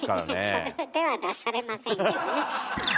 その手は出されませんけどね。